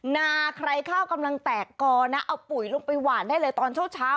นาใครข้าวกำลังแตกกอนะเอาปุ๋ยลงไปหวานได้เลยตอนเช้า